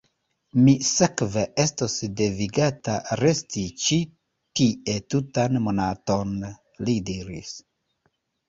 Mi sekve estos devigata resti ĉi tie tutan monaton? li diris.